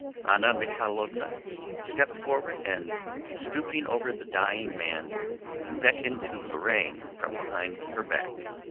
Anna Mikháylovna stepped forward and, stooping over the dying man, beckoned to Lorrain from behind her back.